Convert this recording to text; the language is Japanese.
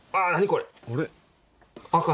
これ。